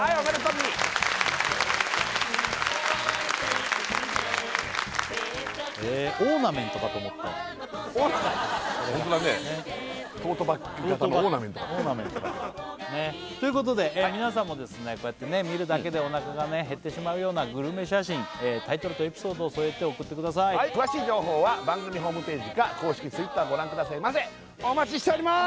みー本当だねねっということで皆さんもこうやって見るだけでおなかが減ってしまうようなグルメ写真タイトルとエピソードを添えて送ってください詳しい情報は番組ホームページか公式Ｔｗｉｔｔｅｒご覧くださいませお待ちしております！